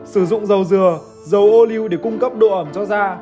sử dụng dầu dừa dầu o lưu để cung cấp độ ẩm cho da